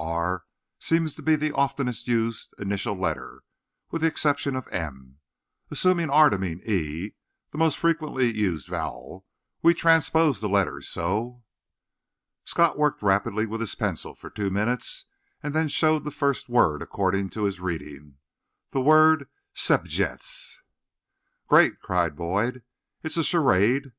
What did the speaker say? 'R' seems to be the oftenest used initial letter, with the exception of 'm.' Assuming 'r' to mean 'e', the most frequently used vowel, we transpose the letters—so." Scott worked rapidly with his pencil for two minutes; and then showed the first word according to his reading—the word "Scejtzez." "Great!" cried Boyd. "It's a charade.